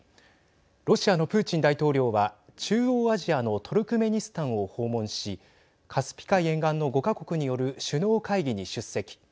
ロシアのプーチン大統領は中央アジアのトルクメニスタンを訪問しカスピ海沿岸の５か国による首脳会議に出席。